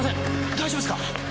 大丈夫ですか！？